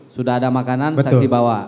sudah ada makanan saksi bawa